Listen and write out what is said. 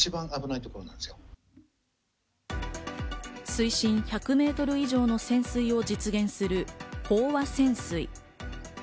水深１００メートル以上の潜水を実現する、飽和潜水。